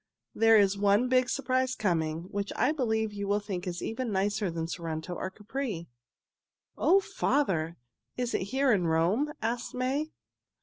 "There is one big surprise coming, which I believe you will think is even nicer than Sorrento or Capri." "O father! Is it here in Rome?" asked May.